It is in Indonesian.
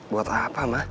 buat apa ma